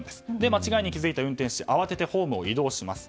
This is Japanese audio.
間違いに気づいた運転士慌ててホームを移動します。